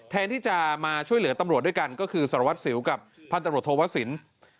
แทนที่จะมาช่วยเหลือตำรวจด้วยกันก็คือสรวจศิลป์กับพันธุ์ตำรวจโทษศิลป์